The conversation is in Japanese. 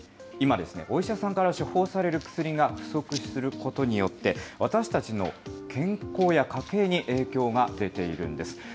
今、お医者さんから処方される薬が不足することによって、私たちの健康や家計に影響が出ているんです。